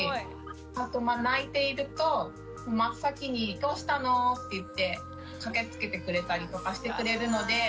あと泣いていると真っ先に「どうしたの？」って言って駆けつけてくれたりとかしてくれるので。